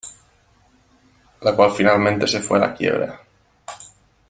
La cual finalmente se fue a la quiebra.